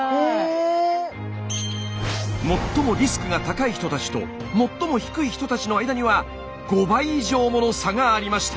最もリスクが高い人たちと最も低い人たちの間には５倍以上もの差がありました。